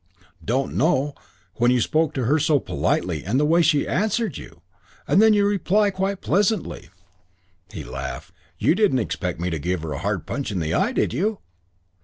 "Don't know! When you spoke to her so politely and the way she answered you! And then you reply quite pleasantly " He laughed. "You didn't expect me to give her a hard punch in the eye, did you?"